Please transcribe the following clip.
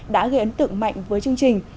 đã gây ấn tượng mạnh với chương trình